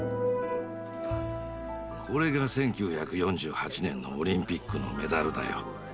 これが１９４８年のオリンピックのメダルだよ。